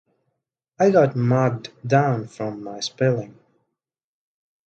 I got marked down from my spelling.